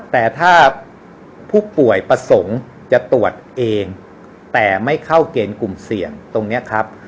แต่ถ้าผู้ป่วยประสงค์จะตรวจเองแต่ไม่เข้าเกณฑ์กลุ่มเสี่ยงตรงนี้ครับ